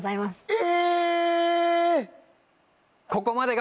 え！